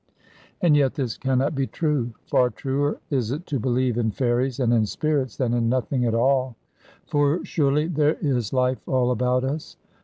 And yet this cannot be true. Far truer is it to believe in fairies and in spirits than in nothing at all; for surely there is life all about us.